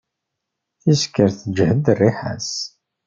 Tiskert teǧhed rriḥa-s.